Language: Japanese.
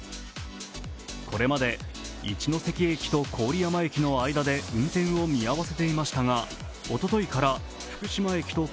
これまで一ノ関駅と郡山駅の間で運転を見合わせていましたがおとといから